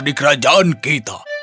di kerajaan kita